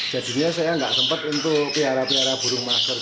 jadinya saya nggak sempat untuk pihara pihara burung mas kerja